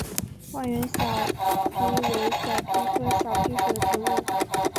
万源小檗为小檗科小檗属的植物。